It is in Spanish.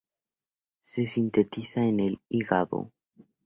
Se sintetiza en el hígado.